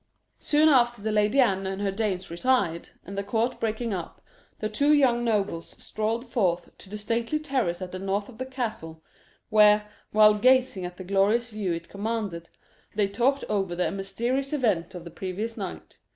Soon afterwards the Lady Anne and her dames retired, and the court breaking up, the two young nobles strolled forth to the stately terrace at the north of the castle, where, while gazing at the glorious view it commanded, they talked over the mysterious event of the previous night.